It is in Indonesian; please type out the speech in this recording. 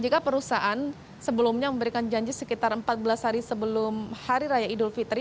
jika perusahaan sebelumnya memberikan janji sekitar empat belas hari sebelum hari raya idul fitri